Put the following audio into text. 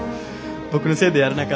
僕のせいでやれなかった。